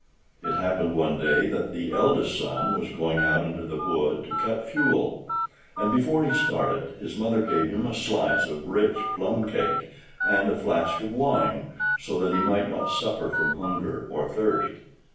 It happened one day that the eldest son was going out into the wood to cut fuel; and before he started, his mother gave him a slice of rich plum cake and a flask of wine, so that he might not suffer from hunger or thirst.